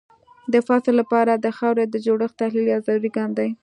د فصل لپاره د خاورې د جوړښت تحلیل یو ضروري ګام دی.